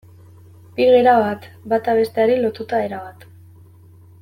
Bi gera bat, bata besteari lotuta erabat.